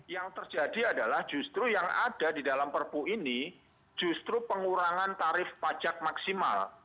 yang terjadi adalah justru yang ada di dalam perpu ini justru pengurangan tarif pajak maksimal